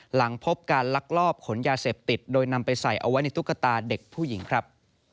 หลังพบการลักลอบขนยาเสพติดโดยนำไปใส่เอาไว้ในตุ๊กตาเด็กผู้หญิงครับ